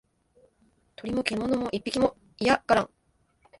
鳥も獣も一匹も居やがらん